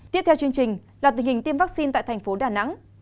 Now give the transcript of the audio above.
tiếp theo chương trình là tình hình tiêm vaccine tại thành phố đà nẵng